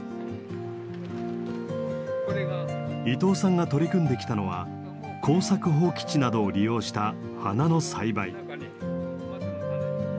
伊藤さんが取り組んできたのは耕作放棄地などを利用した花の栽培。